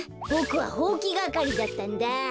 ボクはほうきがかりだったんだ。